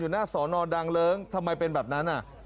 อยู่หน้าศรนดร์ดังเลิ้งทำไมเป็นแบบนั้น